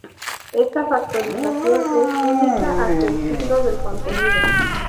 Esta factorización es única hasta el signo del contenido.